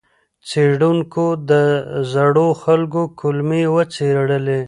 څېړونکو د زړو خلکو کولمې وڅېړلې.